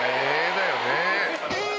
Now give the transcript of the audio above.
だよね」